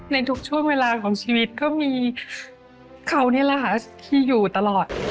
ในทุกช่วงเวลาของชีวิตก็มีเขานี่แหละค่ะที่อยู่ตลอด